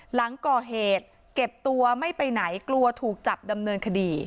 หลังก่อเหตุเก็บตัวไม่ไปไหนกลัวถูกจับดำเนินคดี